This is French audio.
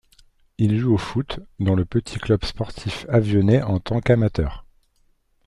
Il joue au foot, dans le petit Club Sportif Avionnais en tant qu'amateur.